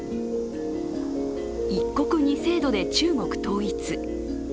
一国二制度で中国統一。